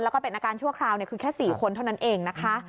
แล้วก็เป็นอาการชั่วคราวคือแค่๔คนเท่านั้นเองนะคะ